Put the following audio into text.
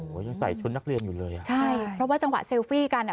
โอ้โหยังใส่ชุดนักเรียนอยู่เลยอ่ะใช่เพราะว่าจังหวะเซลฟี่กันอ่ะ